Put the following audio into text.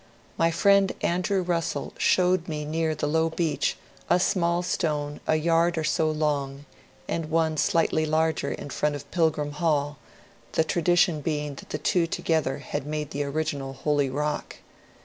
My friend An drew Russell showed me near the low beach a small stone a yard or so long, and one slightly larger in front of Pilgrim Hall, the tradition being that the two together had made the original holy Rock.